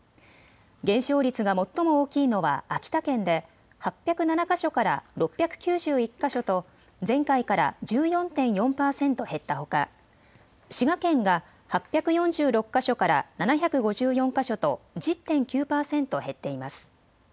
減少率が最も大きいのは秋田県で８０７か所から６９１か所と前回から１４．４％減ったほか滋賀県が８４６か所から７５４か所と１０．９％減っています。